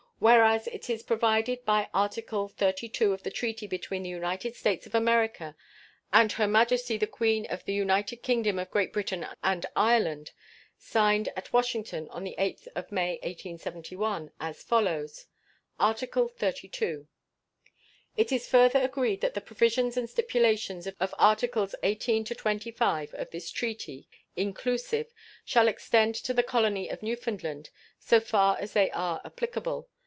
Whereas it is provided by Article XXXII of the treaty between the United States of America and Her Majesty the Queen of the United Kingdom of Great Britain and Ireland signed at Washington on the 8th of May, 1871, as follows: "ARTICLE XXXII. "It is further agreed that the provisions and stipulations of Articles XVIII to XXV of this treaty, inclusive, shall extend to the colony of Newfoundland so far as they are applicable.